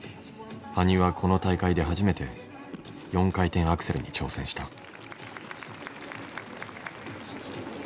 羽生はこの大会で初めて４回転アクセルに挑戦した。